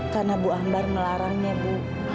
karena bu ambar melarangnya bu